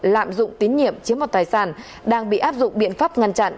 lạm dụng tín nhiệm chiếm một tài sản đang bị áp dụng biện pháp ngăn chặn